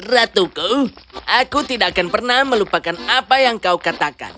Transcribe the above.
ratuku aku tidak akan pernah melupakan apa yang kau katakan